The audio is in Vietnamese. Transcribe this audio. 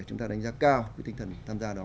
chúng ta đánh giá cao cái tinh thần tham gia đó